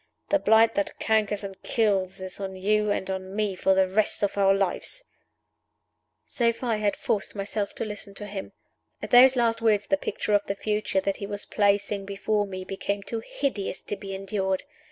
The blight that cankers and kills is on you and on me for the rest of our lives!" So far I had forced myself to listen to him. At those last words the picture of the future that he was placing before me became too hideous to be endured.